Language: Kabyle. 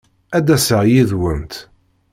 Ad d-aseɣ yid-went.